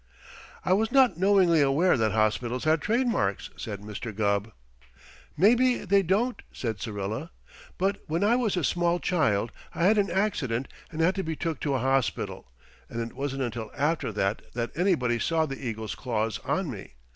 "I was not knowingly aware that hospitals had trademarks," said Mr. Gubb. "Maybe they don't," said Syrilla. "But when I was a small child I had an accident and had to be took to a hospital, and it wasn't until after that that anybody saw the eagle's claws on me.